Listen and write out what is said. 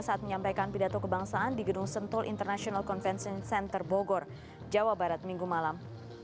saat menyampaikan pidato kebangsaan di gedung sentul international convention center bogor jawa barat minggu malam